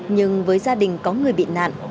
nhưng với gia đình có người bị nạn